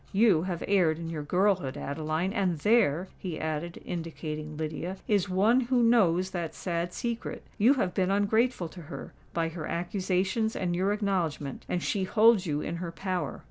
You have erred in your girlhood, Adeline! and there," he added, indicating Lydia, "is one who knows that sad secret. You have been ungrateful to her—by her accusations and your acknowledgment; and she holds you in her power.